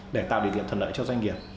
để tạo điều kiện thần nợ cho doanh nghiệp